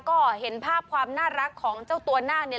ก็เห็นภาพความน่ารักของเจ้าตัวนาคเนี่ย